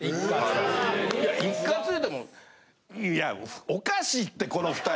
いや一括いうてもいやおかしいってこの２人。